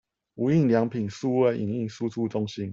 無印良品數位影印輸出中心